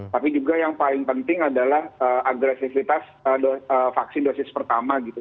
tapi juga yang paling penting adalah agresivitas vaksin dosis pertama gitu